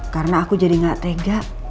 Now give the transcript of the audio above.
karena aku jadi gak tega